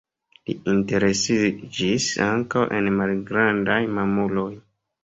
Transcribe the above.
Li interesiĝis ankaŭ en malgrandaj mamuloj.